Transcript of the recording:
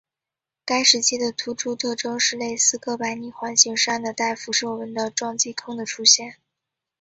该时期的突出特征就是类似哥白尼环形山的带辐射纹的撞击坑的出现。